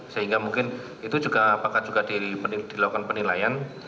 sehingga mungkin itu juga apakah juga dilakukan penilaian